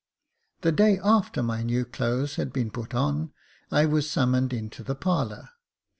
The day after my new clothes had been put on, I was summoned into the parlour.